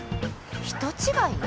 人違い？